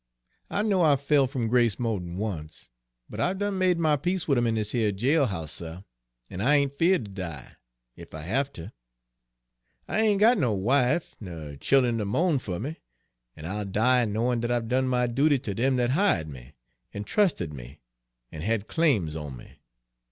I know I've fell f'm grace mo' d'n once, but I've done made my peace wid Him in dis here jail house, suh, an' I ain't 'feared ter die ef I haf ter. I ain' got no wife ner child'n ter mo'n fer me, an' I'll die knowin' dat I've done my duty ter dem dat hi'ed me, an' trusted me, an' had claims on me.